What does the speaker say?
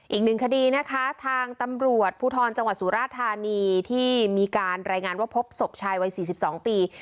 อีกหนึ่งคดีนะคะทางตำรวจภูทรจังหวัดสุราธานีที่มีการรายงานว่าพบศพชายวัย๔๒ปี